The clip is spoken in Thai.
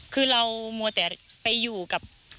คือเรามัวแต่ไปอยู่กับ